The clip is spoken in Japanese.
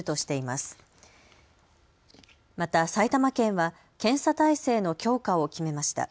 また埼玉県は検査体制の強化を決めました。